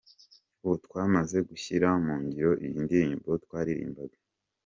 Ubu twamaze gushyira mu ngiro iyi ndirimbo twaririmbaga.